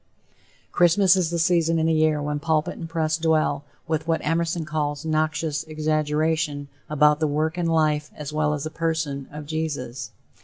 Christmas is the season in the year when pulpit and press dwell, with what Emerson calls "noxious exaggeration," about the work and life, as well as the person of Jesus.